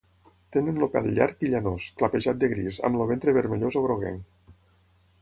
Tenen el pèl llarg i llanós, clapejat de gris, amb el ventre vermellós o groguenc.